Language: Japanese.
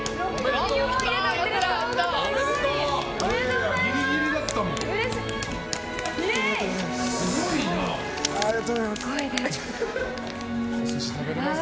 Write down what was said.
おめでとうございます！